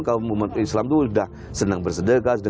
kalau umat islam itu udah senang bersedekah